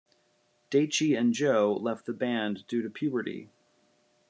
Daichi and Joe left the band due to puberty.